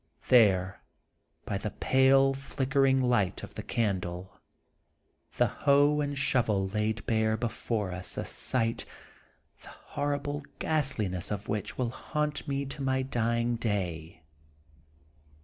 There, by the pale, flickering light of the candle, the hoe and shovel laid bare before us a sight, the horrible ghastliness of which will haunt me to my dying day.